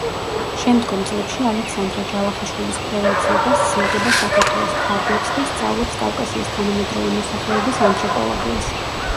შემდგომ წლებში ალექსანდრე ჯავახიშვილის კვლევა-ძიება სცილდება საქართველოს ფარგლებს და სწავლობს კავკასიის თანამედროვე მოსახლეობის ანთროპოლოგიას.